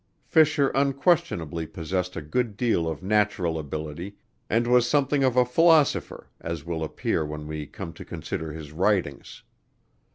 Fisher unquestionably possessed a good deal of natural ability, and was something of a philosopher, as will appear when we come to consider his writings.